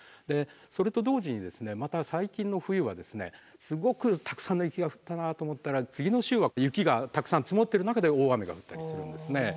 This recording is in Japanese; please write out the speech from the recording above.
それと同時にまた最近の冬はすごくたくさんの雪が降ったなと思ったら次の週は雪がたくさん積もってる中で大雨が降ったりするんですね。